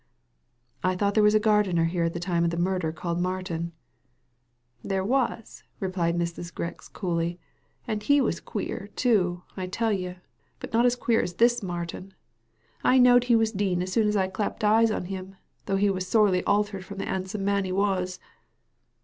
" I thought there was a gardener here at the time of the murder called Martin ?" "There was," replied Mrs. Grix, coolly. " And he was queer, too, I tell you ; but not as queer as this Martin. I knowed he was Dean as soon as I clapped eyes on him, though he was sorely altered from the 'andsome man he was."